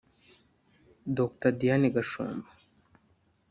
Dr Diane Gashumba